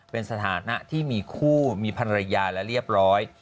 เป็นสถานะที่มีคู่มีภรรยาและเรียบร้อย